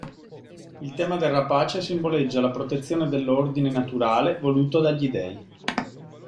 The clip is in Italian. Il tema del rapace simboleggia la protezione dell'ordine naturale voluto dagli dei.